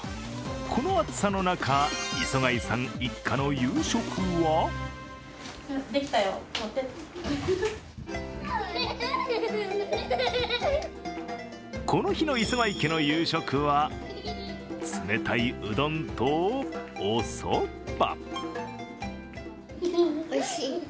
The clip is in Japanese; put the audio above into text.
この暑さの中、磯貝さん一家の夕食はこの日の磯貝家の夕食は冷たいうどんとおそば。